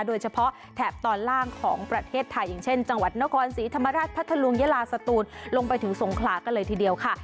แถบตอนล่างของประเทศไทยอย่างเช่นจังหวัดนครศรีธรรมราชพัทธลุงยาลาสตูนลงไปถึงสงขลากันเลยทีเดียวค่ะ